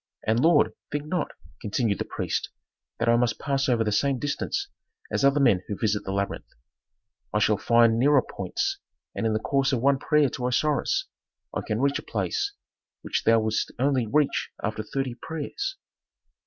And, lord, think not," continued the priest, "that I must pass over the same distance as other men who visit the labyrinth. I shall find nearer points, and in the course of one prayer to Osiris I can reach a place which thou wouldst only reach after thirty prayers."